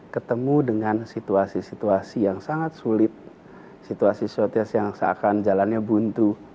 ketemu dengan situasi situasi yang sangat sulit situasi yang seakan jalannya buntu